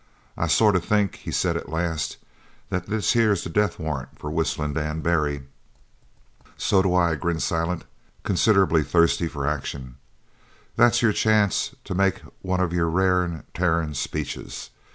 "I sort of think," he said at last, "that this here's the death warrant for Whistlin' Dan Barry." "So do I," grinned Silent, considerably thirsty for action. "That's your chance to make one of your rarin', tarin' speeches.